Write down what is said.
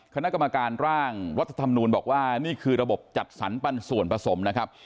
คณะกรรมการร่างรัฐธรรมนูญบอกว่านี่คือระบบจัดสรรปันส่วนผสมนะครับ